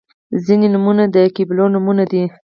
• ځینې نومونه د قبیلو نومونه دي.